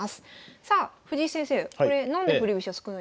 さあ藤井先生これ何で振り飛車少ないんですか？